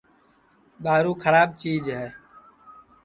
دؔارُو کھراب چِیج ہے